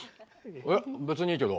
えっ別にいいけど。